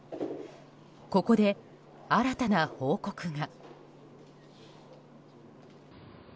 ここで新たな報告が。